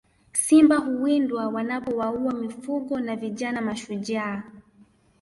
Simba huwindwa wanapowaua mifugo na vijana mashujaa